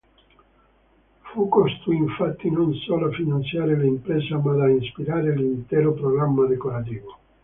Fu costui infatti non solo a finanziare l'impresa, ma ad ispirare l'intero programma decorativo.